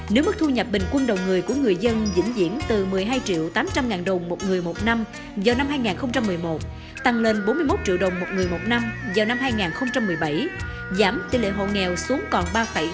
nếu mức thu nhập bình quân đầu người của người dân vĩnh diễn từ một mươi hai triệu tám trăm linh ngàn đồng một người một năm vào năm hai nghìn một mươi một tăng lên bốn mươi một triệu đồng một người một năm vào năm hai nghìn một mươi bảy giảm tỷ lệ hộ nghèo xuống còn ba tám mươi